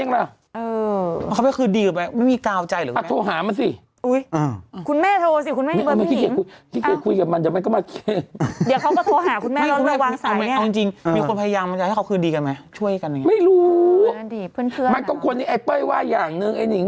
นักฟิศทุกวันเลยจัดจุบันดันวัน๓วัน